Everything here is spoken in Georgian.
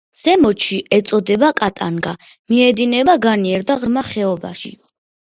ზემოთში ეწოდება კატანგა, მიედინება განიერ და ღრმა ხეობაში.